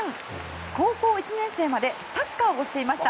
高校１年生までサッカーをしていました。